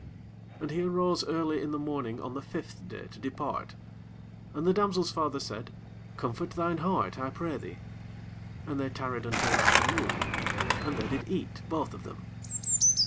8 And he arose early in the morning on the fifth day to depart: and the damsel's father said, Comfort thine heart, I pray thee. And they tarried until afternoon, and they did eat both of them.